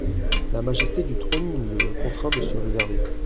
La majesté du trône le contraint de se réserver.